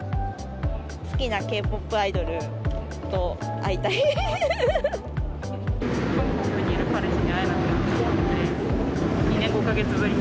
好きなＫ−ＰＯＰアイドルと会いたい。